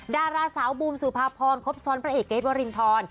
ดาราสาวบูมสุภาพรครบซ้อนพระเอกเกรทวรินทร